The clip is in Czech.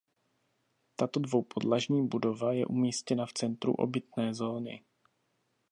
Tato dvoupodlažní budova je umístěna v centru obytné zóny.